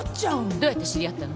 どうやって知り合ったの？